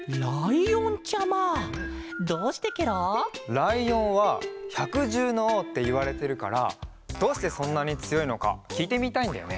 ライオンは「ひゃくじゅうのおう」っていわれてるからどうしてそんなにつよいのかきいてみたいんだよね。